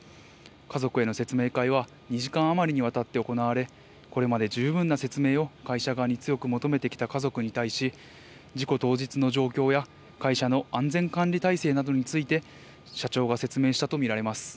家族への説明会は２時間余りにわたって行われ、これまで十分な説明を会社側に強く求めてきた家族に対し、事故当日の状況や、会社の安全管理体制などについて、社長が説明したと見られます。